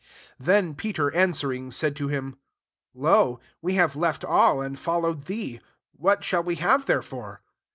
27 Then Peter answering, said to him, "Lo ! we have left all, and followed thee ; what shtUl we have therefore